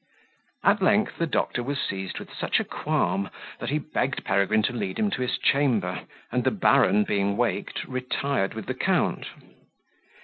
At length the doctor was seized with such a qualm, that he begged Peregrine to lead him to his chamber; and the baron, being waked, retired with the count.